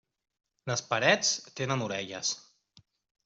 Les parets tenen orelles.